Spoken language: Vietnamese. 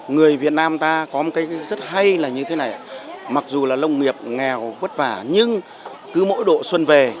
người việt nam ta có một cái rất hay là như thế này mặc dù là lông nghiệp nghèo vất vả nhưng cứ mỗi độ xuân về